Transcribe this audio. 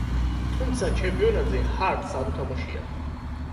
თუმცა, ჩემპიონატზე ჰარტს არ უთამაშია.